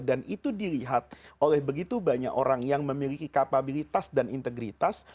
dan itu dilihat oleh begitu banyak orang yang memiliki kapabilitas dan integritas